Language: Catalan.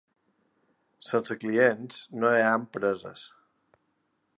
Sense clients, no hi ha empreses.